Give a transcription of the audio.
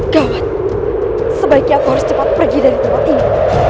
kau sebaiknya aku harus cepat pergi dari tempat ini